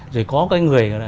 rồi có cái người